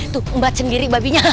tuh mbak sendiri babinya